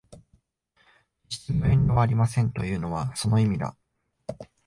決してご遠慮はありませんというのはその意味だ